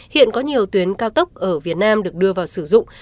hiện có nhiều tuyến cao tốc ở việt nam được đưa vào sử dụng